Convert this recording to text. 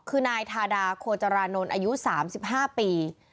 คือนายทาดาโคจรานนท์อายุ๓๕ปี